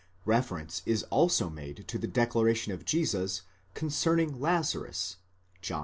Reference is also made to the declaration of Jesus concerning Lazarus, John xi.